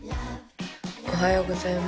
おはようございます。